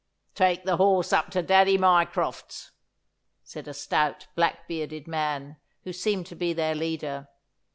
'Take the horse up to Daddy Mycroft's,' said a stout, black bearded man, who seemed to be their leader.